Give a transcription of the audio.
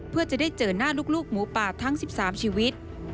เพื่อจะได้เจอหน้าลูกหมูป่าทั้ง๑๓ชีวิต